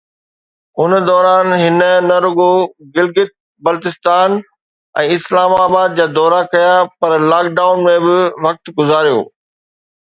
ان دوران هن نه رڳو گلگت، بلستان ۽ اسلام آباد جا دورا ڪيا پر لاڪ ڊائون ۾ به وقت گذاريو.